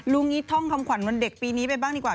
งี้ท่องคำขวัญวันเด็กปีนี้ไปบ้างดีกว่า